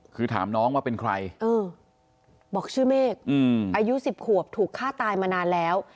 คือถามน้องว่าเป็นใครบอกชื่อเมฆอายุ๑๐ขวบถูกฆ่าตายมานานแล้ว